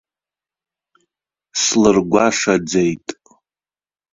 Слыргәашаӡеит.